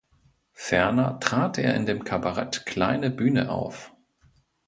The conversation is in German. Ferner trat er in dem Kabarett Kleine Bühne auf.